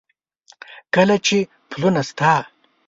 کله چې پلونه ستا،